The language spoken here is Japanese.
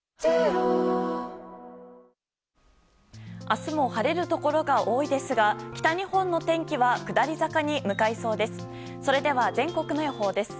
明日も晴れるところが多いですが北日本の天気は下り坂に向かいそうです。